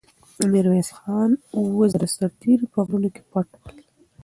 د میرویس خان اوه زره سرتېري په غرونو کې پټ ول.